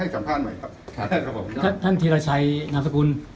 เจลชัยครับให้สัมภาษณ์ไว้ครับ